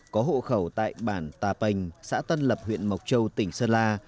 có hộ khẩu tại bản tà pình xã tân lập huyện mộc châu tỉnh sơn la